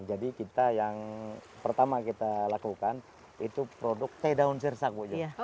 jadi kita yang pertama kita lakukan itu produk teh daun sirsak bu jo